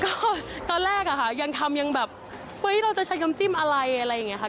ก็ตอนแรกอะค่ะยังทำยังแบบเฮ้ยเราจะใช้น้ำจิ้มอะไรอะไรอย่างนี้ค่ะ